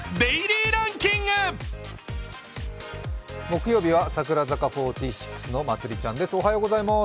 木曜日は櫻坂４６のまつりちゃんです。